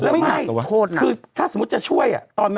ไม่หนักปะว่าหรือไม่คือถ้าสมมติจะช่วยอ่ะ